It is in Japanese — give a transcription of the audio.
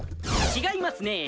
違いますね。